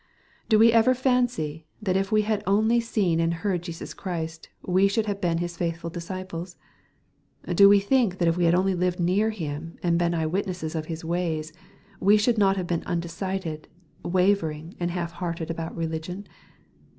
Do we ever fancy that if we had only seen and heard Jesus Christ, we should have been His faithful disciples ? Do we think that if we had only lived near Him, and been eyewitnesses of His ways, we should not have been undecided, wavering, and half hearted about religion